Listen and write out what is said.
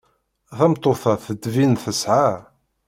Tameṭṭut-a tettbin tesεa.